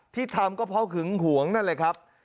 ที่ทำก็เพราะหึงหวงนั่นแหละครับ